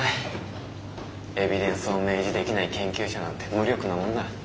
エビデンスを明示できない研究者なんて無力なもんだ。